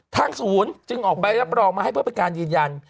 ทั้งศูนย์จึงออกไปแล้วประดองมาให้เพื่อเป็นการยืนยัน